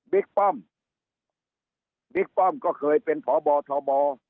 ป้อมบิ๊กป้อมก็เคยเป็นพบทบ